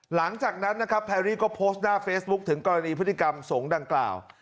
หลังจากนั้นนะครับแพรรี่ก็โพสต์หน้าเฟซบุ๊คถึงกรณีพฤติกรรมสงฆ์ดังกล่าว